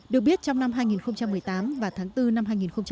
được biết trong năm hai nghìn một mươi tám và tháng bốn năm hai nghìn một mươi chín